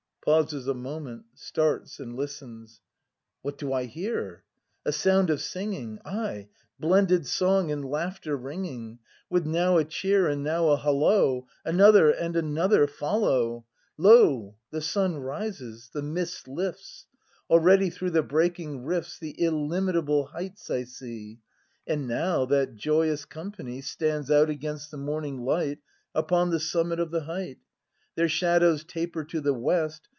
[Pauses a movient, starts, and listens.] What do I hear ? A sound of singing. Ay, blended song and laughter ringing. With now a cheer and now a hollo, — Another — and another — follow ! Lo, the sun rises; the mist lifts. Already through the breaking rifts The illimitable heights I see; And now that joyous company Stands out against the morning light Upon the summit of the height. Their shadows taper to the west.